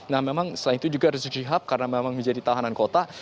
nah memang selain itu juga rizik syihab karena memang menjadi tahanan kota